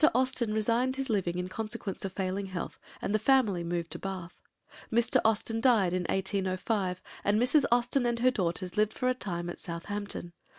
Austen resigned his living in consequence of failing health, and the family removed to Bath. Mr. Austen died in 1805, and Mrs. Austen and her daughters lived for a time at Southampton.